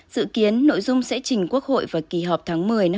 dự kiến nội dung sẽ chỉnh quốc hội vào kỳ họp tháng một mươi năm hai nghìn hai mươi